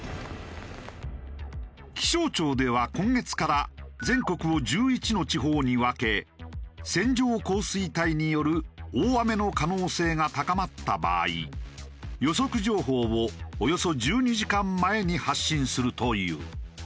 気象庁では今月から全国を１１の地方に分け線状降水帯による大雨の可能性が高まった場合予測情報をおよそ１２時間前に発信するという。